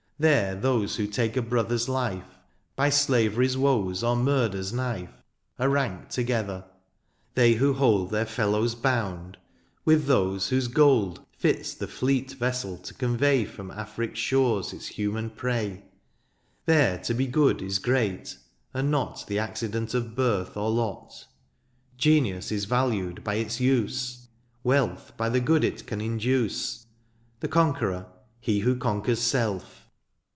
There those who take a brother's life^ By slavery's woes or murder's knife^ Are ranked together ; they who hold Tlieir fellows bound, with those whose gold Fits the fleet vessel to convey From Acne's shores its human prey. Tliere to be good is great, and not The accident of biith or lot r Genius is valued by its use ; Wealth by the good it can induce ; The conqueror, he who conquers self.